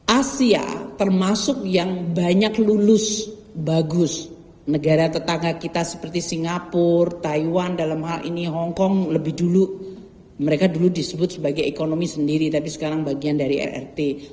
asia termasuk yang banyak lulus bagus negara tetangga kita seperti singapura taiwan dalam hal ini hongkong lebih dulu mereka dulu disebut sebagai ekonomi sendiri tapi sekarang bagian dari rrt